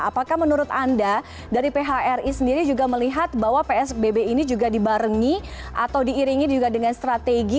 apakah menurut anda dari phri sendiri juga melihat bahwa psbb ini juga dibarengi atau diiringi juga dengan strategi